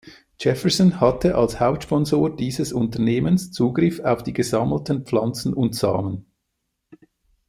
Jefferson hatte als Hauptsponsor dieses Unternehmens Zugriff auf die gesammelten Pflanzen und Samen.